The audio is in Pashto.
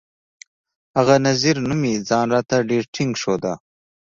هغه نذير نومي ځان راته ډېر ټينګ ښوده.